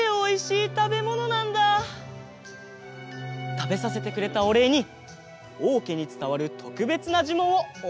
たべさせてくれたおれいにおうけにつたわるとくべつなじゅもんをおおしえしましょう！